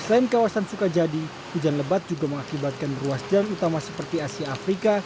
selain kawasan sukajadi hujan lebat juga mengakibatkan ruas jalan utama seperti asia afrika